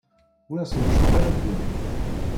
Ur asen-tcuḥḥ ara ddunit.